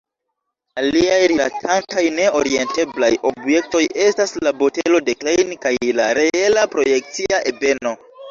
Aliaj rilatantaj ne-orienteblaj objektoj estas la botelo de Klein kaj la reela projekcia ebeno.